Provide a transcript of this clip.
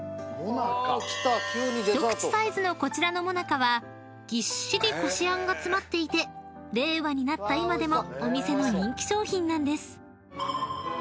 ［一口サイズのこちらの最中はぎっしりこしあんが詰まっていて令和になった今でもお店の人気商品なんです］